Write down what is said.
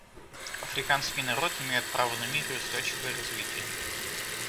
Африканский народ имеет право на мир и устойчивое развитие.